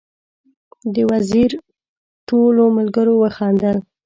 د وزیر ټولو ملګرو وخندل.